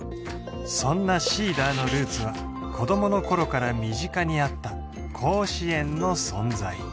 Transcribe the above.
そんなＳｅｅｄｅｒのルーツは子どもの頃から身近にあった甲子園の存在